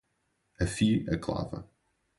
Afie a clava